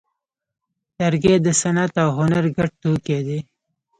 لرګی د صنعت او هنر ګډ توکی دی.